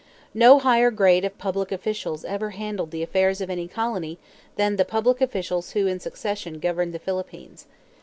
No higher grade of public officials ever handled the affairs of any colony than the public officials who in succession governed the Philippines.